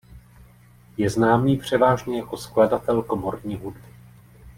Je známý převážně jako skladatel komorní hudby.